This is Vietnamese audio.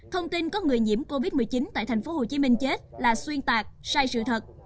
thông tin có người nhiễm covid một mươi chín tại tp hcm chết là xuyên tạc sai sự thật